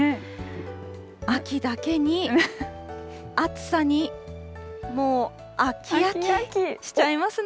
秋だけに、暑さにもうあきあき、しちゃいますね。